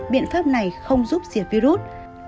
biện pháp này không giúp diệt virus